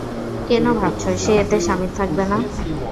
কেন ভাবছ সে এতে শামিল থাকবে না?